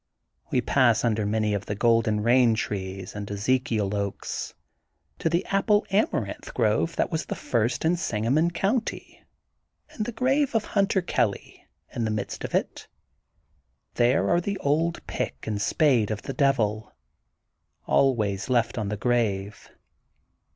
We pass under many of the Golden Bain Trees and Ezekiel Oaks, to the Apple Amaranth Grove that was the first in Sanga mon County, and the Grave of Hunter Kelly, in the midst of it. There are the old pick and spade of the Devil, always left on the grave.